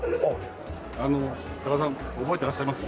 あの高田さん覚えてらっしゃいます？